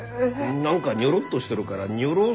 何かニョロっとしてるからニョロサボテン。